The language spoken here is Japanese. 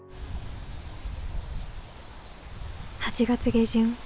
８月下旬。